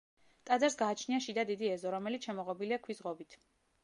ტაძარს გააჩნია შიდა დიდი ეზო, რომელიც შემოღობილია ქვის ღობით.